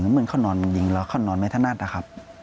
เหมือนเขานอนยิงแล้วเขานอนไม่ถนัดนะครับ